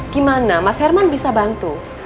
gimana mas herman bisa bantu